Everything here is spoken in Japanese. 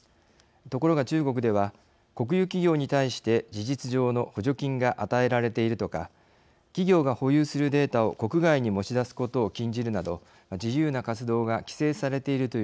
ところが中国では国有企業に対して事実上の補助金が与えられているとか企業が保有するデータを国外に持ち出すことを禁じるなど自由な活動が規制されているという指摘があります。